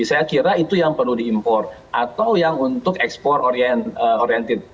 saya kira itu yang perlu diimpor atau yang untuk ekspor oriented